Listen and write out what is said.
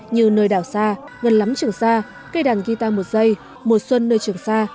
như nơi đảo xa gần lắm trường sa cây đàn guitar một giây mùa xuân nơi trường sa